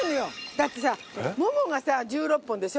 だってさももがさ１６本でしょ。